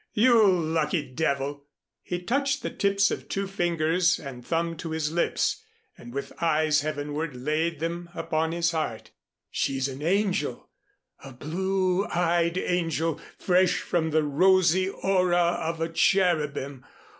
You lucky devil!" He touched the tips of two fingers and thumb to his lips, and with eyes heavenward laid them upon his heart. "She's an angel, a blue eyed angel, fresh from the rosy aura of a cherubim.